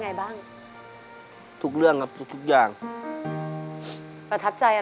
เปลี่ยนเพลงเพลงเก่งของคุณและข้ามผิดได้๑คำ